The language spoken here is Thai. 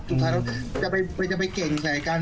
สุดท้ายเราจะไปเก่งใส่กัน